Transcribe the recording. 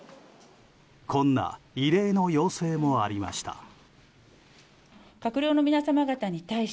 こんな異例の要請もありました。